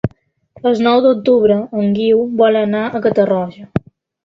El nou d'octubre en Guiu vol anar a Catarroja.